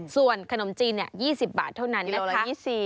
ส่วนขนมจีน๒๐บาทเท่านั้นนะคะ